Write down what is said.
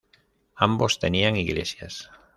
Ambos tenían iglesias.